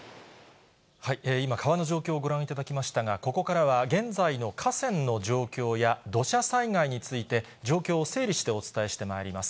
今、川の状況、ご覧いただきましたが、ここからは現在の河川の状況や土砂災害について、状況を整理してお伝えしてまいります。